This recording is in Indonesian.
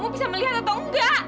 kamu bisa melihat atau nggak